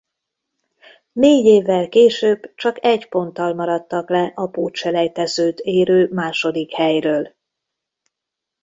Négy évvel később csak egy ponttal maradtak le a pótselejtezőt érő második helyről.